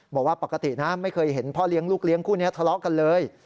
บอกว่าปกตินะไม่เคยเห็นพ่อเลี้ยงลูกเลี้ยงคู่นี้ทะเลาะกันเลย